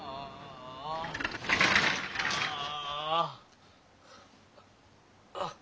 ああ。